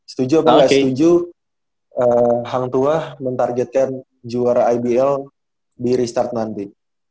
setuju apa gak setuju hangtoa mentargetkan juara ibl di restart nanti